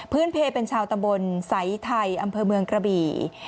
เพลเป็นชาวตำบลสายไทยอำเภอเมืองกระบี่